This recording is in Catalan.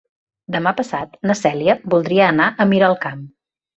Demà passat na Cèlia voldria anar a Miralcamp.